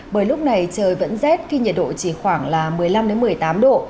bởi lúc này trời vẫn rét khi nhiệt độ chỉ khoảng một mươi năm một mươi tám độ